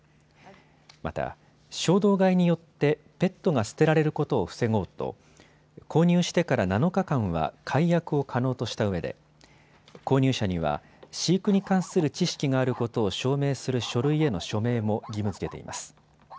また、衝動買いによってペットが捨てられることを防ごうと購入してから７日間は解約を可能としたうえで購入者には飼育に関する知識があることを証明する書類への署名も義務づけています。